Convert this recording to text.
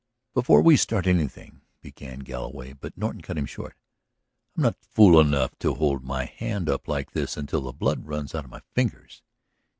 "Before we start anything," began Galloway. But Norton cut him short. "I am not fool enough to hold my hand up like this until the blood runs out of my fingers.